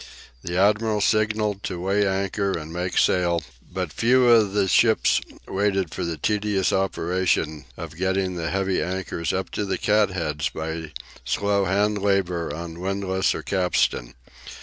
The admiral signalled to weigh anchor and make sail, but few of the ships waited for the tedious operation of getting the heavy anchors up to the cat heads by slow hand labour on windlass or capstan.